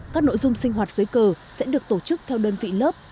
các nội dung sinh hoạt dưới cờ sẽ được tổ chức theo đơn vị lớp